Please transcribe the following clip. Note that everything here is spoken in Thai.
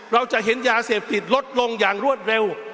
เราจะเห็นยาเสพติดลดลงอย่างรวดเร็ว